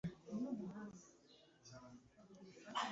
nkurikiza ibyemezo byawe mbikuye ku mutima